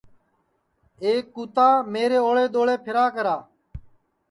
ایک کُتا میرے اوݪے دؔوݪے پھیرا کرا